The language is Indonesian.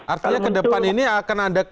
artinya ke depan ini akan ada